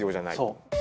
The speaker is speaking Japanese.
そう。